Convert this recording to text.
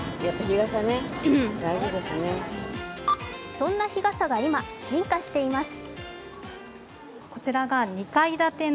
そんな日傘が今、進化しています。